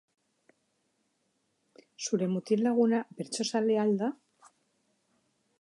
Zure mutil laguna bertsozalea al da?